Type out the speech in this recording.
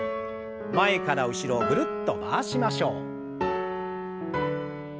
前から後ろぐるっと回しましょう。